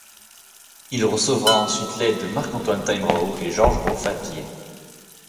Il recevra ensuite l'aide de Marc Antoine Timeroy et Georges Roffavier.